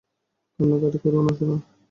কান্নাকাটি করো না, সোনা!